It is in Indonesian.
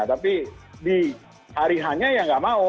tapi di hari hanya ya nggak mau